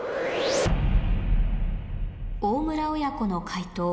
大村親子の解答